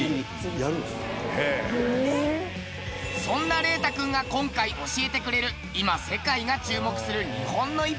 そんな伶汰君が今回教えてくれる今世界が注目する日本の逸品が。